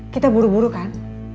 kita buru buru kan